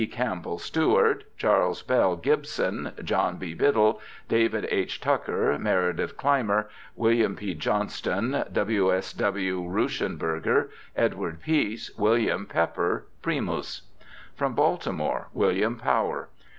Campbell Stewart, Charles Bell Gibson, John B. Biddle, David H. Tucker, Meredith Clymer, Wm. P. Johnston, W. S. W. Ruschenberger, Edward Peace, William Pepper (primus). From Baltimore : William Power.